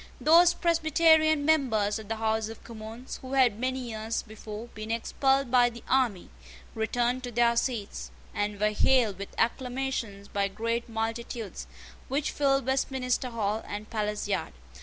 Those Presbyterian members of the House of Commons who had many years before been expelled by the army, returned to their seats, and were hailed with acclamations by great multitudes, which filled Westminster Hall and Palace Yard.